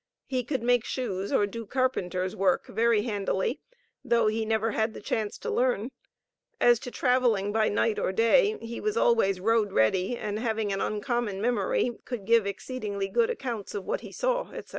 He could make shoes or do carpenter's work very handily, though he had never had the chance to learn. As to traveling by night or day, he was always road ready and having an uncommon memory, could give exceedingly good accounts of what he saw, etc.